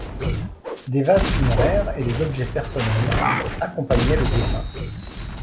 Des vases funéraires et des objets personnels accompagnaient le défunt.